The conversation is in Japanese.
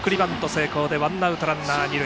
成功でワンアウトランナー、二塁。